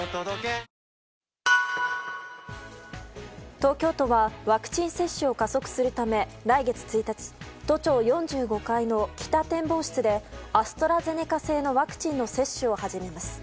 東京都はワクチン接種を加速するため来月１日都庁４５階の北展望室でアストラゼネカ製のワクチンの接種を始めます。